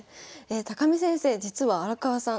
見先生実は荒川さん